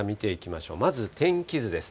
まず天気図です。